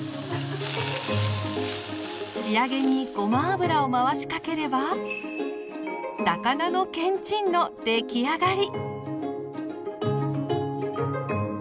仕上げにごま油を回しかければの出来上がり。